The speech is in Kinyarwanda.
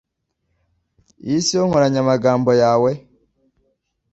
Iyo siyo nkoranyamagambo yawe?